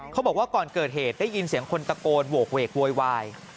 บอกว่าก่อนเกิดเหตุได้ยินเสียงคนตะโกนโหกเวกโวยวาย